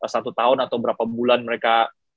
satu tahun atau berapa bulan mereka